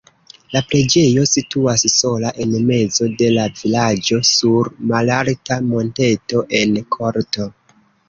La preĝejo situas sola en mezo de la vilaĝo sur malalta monteto en korto.